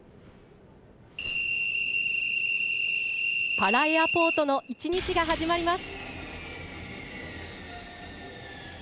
パラ・エアポートの１日が始まります。